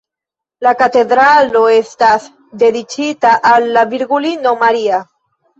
La katedralo estas dediĉita al la Virgulino Maria.